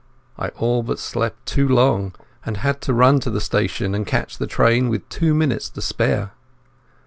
I all but slept too long, and had to run to the station and catch the train with two minutes to spare.